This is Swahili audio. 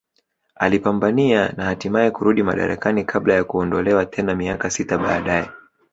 Alipambania na hatimae kurudi madarakani kabla ya kuondolewa tena miaka sita baadae